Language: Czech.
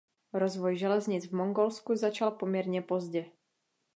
Rozvoj železnic v Mongolsku začal poměrně pozdě.